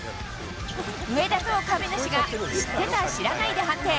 上田と亀梨が知ってた、知らないで判定。